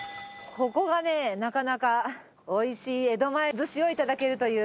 ここがなかなかおいしい江戸前ずしをいただけると。